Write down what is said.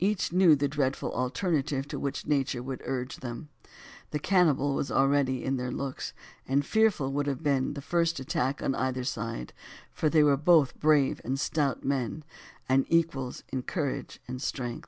Each knew the dreadful alternative to which nature would urge them. The cannibal was already in their looks, and fearful would have been the first attack on either side, for they were both brave and stout men, and equals in strength and courage.